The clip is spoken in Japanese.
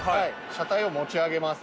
車体を持ち上げます。